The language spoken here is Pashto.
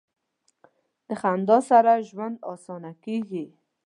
د خندا سره ژوند اسانه کیږي.